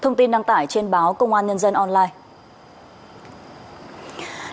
thông tin đăng tải trên báo công an nhân dân online